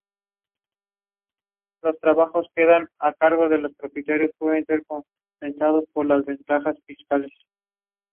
He was later appointed Canon of Toledo and Archdeacon of Talavera.